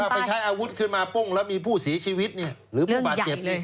ถ้าไปใช้อาวุธขึ้นมาปุ้งแล้วมีผู้สีชีวิตเนี่ยหรือผู้บาดเจ็บเลย